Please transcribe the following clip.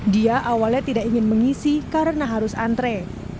dia awalnya tidak ingin mengisi karena harus antre